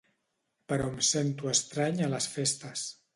Però em sento estrany a les festes.